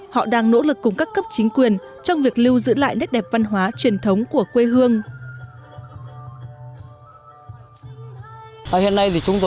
họ đang nỗ lực cùng các cấp chính quyền trong việc lưu giữ lại nét đẹp văn hóa truyền thống của quê hương